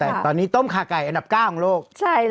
แต่ตอนนี้ต้มขาไก่อันดับ๙ของโลก